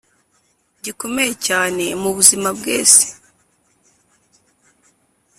gikomeye cyane mubuzima bwes